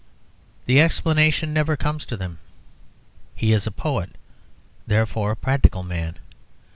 The explanation never comes to them he is a poet; therefore, a practical man.